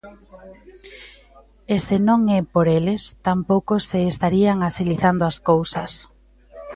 E se non é por eles, tampouco se estarían axilizando as cousas.